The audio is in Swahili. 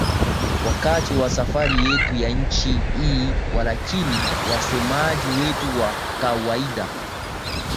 wakati wa safari yetu ya nchi hii Walakini wasomaji wetu wa kawaida